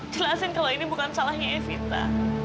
jelasin kalau ini bukan salahnya evita